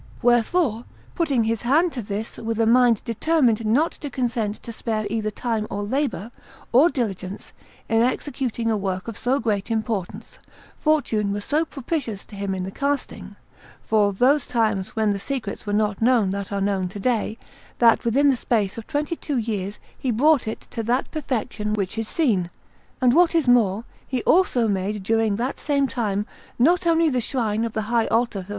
Wherefore, putting his hand to this, with a mind determined not to consent to spare either time, or labour, or diligence in executing a work of so great importance, fortune was so propitious to him in the casting, for those times when the secrets were not known that are known to day, that within the space of twenty two years he brought it to that perfection which is seen; and what is more, he also made during that same time not only the shrine of the high altar of S.